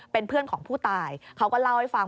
เป็นเพื่อนของผู้ตายเขาก็เล่าให้ฟัง